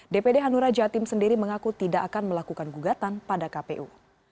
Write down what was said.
dpd hanura jatim sendiri mengaku tidak akan melakukan gugatan pada kpu